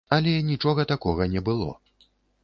Але нічога такога не было.